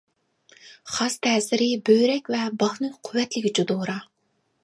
خاس تەسىرى بۆرەك ۋە باھنى قۇۋۋەتلىگۈچى دورا.